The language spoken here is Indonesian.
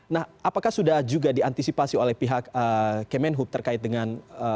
nah apakah sudah juga diantisipasi oleh pihak kemenhub terkait dengan